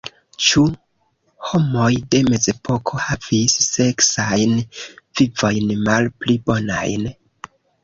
Ĉu homoj de mezepoko havis seksajn vivojn malpli bonajn?